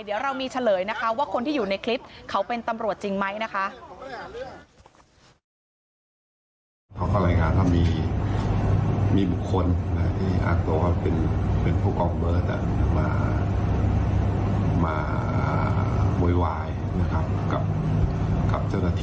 เดี๋ยวเรามีเฉลยนะคะว่าคนที่อยู่ในคลิปเขาเป็นตำรวจจริงไหมนะคะ